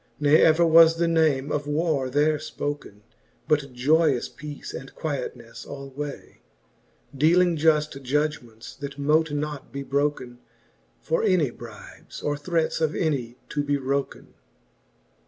Ne ever was the name of warre there Ipoken, But joyous peace and quietnefle alway, Dealing juft judgements, that mote not be broken For any brybes, or threates of any to be wroken* XXV.